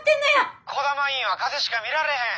児玉医院は風邪しか診られへん。